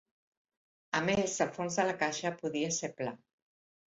A més el fons de la caixa podia ser pla.